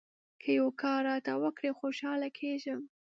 که یو کار راته وکړې ، خوشاله کېږم.